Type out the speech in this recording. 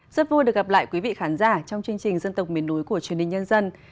rất vui được gặp lại quý vị khán giả trong chương trình dân tộc miền núi của truyền hình nhân dân